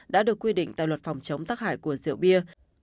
đã được quy định tại luật phòng chống tắc hại của rượu bia